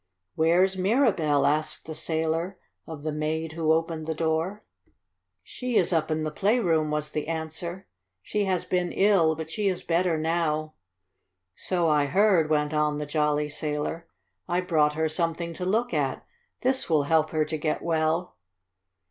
"Where's Mirabell?" asked the sailor of the maid who opened the door. "She is up in the playroom," was the answer. "She has been ill, but she is better now." "So I heard!" went on the jolly sailor. "I brought her something to look at. That will help her to get well."